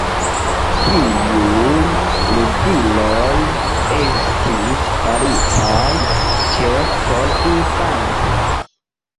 Tiuj ludiloj estis faritaj ĉefe por infanoj.